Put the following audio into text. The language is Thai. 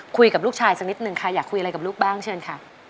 คุยกับลูกชายสักนิดนึงค่ะอยากคุยอะไรกับลูกบ้างเชิญค่ะ